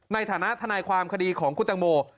ในฐานะทนายความคดีของคุณตังโม